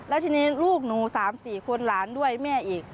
แล้วทีนี้ลูกหนู๓๔คนหลานด้วยแม่อีก